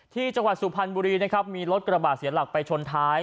ที่จังหวัดสุพรรณบุรีมีรถกระบะเสียรหลักไปชนท้าย